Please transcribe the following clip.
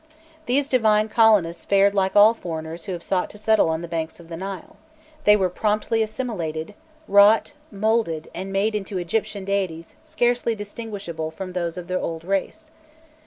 These divine colonists fared like all foreigners who have sought to settle on the banks of the Nile: they were promptly assimilated, wrought, moulded, and made into Egyptian deities scarcely distinguishable from those of the old race.